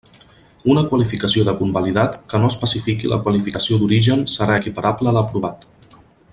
Una qualificació de convalidat que no especifique la qualificació d'origen serà equiparable a l'aprovat.